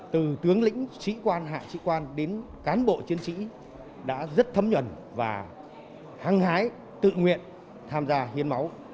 từ tướng lĩnh sĩ quan hạ sĩ quan đến cán bộ chiến sĩ đã rất thấm nhuần và hăng hái tự nguyện tham gia hiến máu